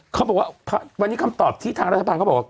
เขาบอกว่าวันนี้คำตอบที่ทางรัฐบาลเขาบอกว่า